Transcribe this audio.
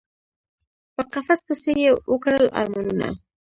په قفس پسي یی وکړل ارمانونه